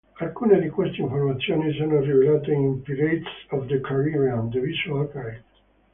Alcune di queste informazioni sono rivelate in "Pirates of the Caribbean: The Visual Guide".